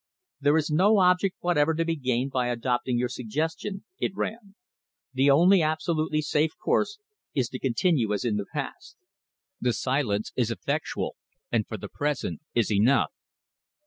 "There is no object whatever to be gained by adopting your suggestion," it ran. "The only absolutely safe course is to continue as in the past. The silence is effectual, and for the present is enough.